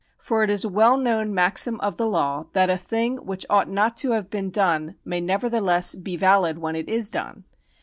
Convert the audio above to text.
For it is a weU known ITO PRECEDENT [§ G6 maxim of the law that a thing which ought not to have been done may nevertheless be valid wheA it is done.